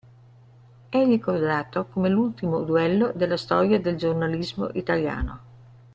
È ricordato come l'ultimo duello della storia del giornalismo italiano.